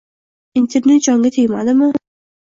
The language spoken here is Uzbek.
Internet jonga tegmadimi?